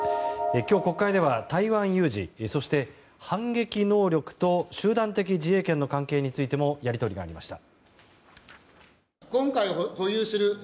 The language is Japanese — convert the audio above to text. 今日、国会では台湾有事、そして反撃能力と集団的自衛権の関係についてもやり取りがありました。